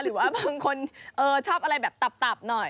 หรือว่าบางคนชอบอะไรแบบตับหน่อย